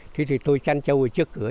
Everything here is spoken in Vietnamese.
thế thì tôi trăn trâu ở trước cửa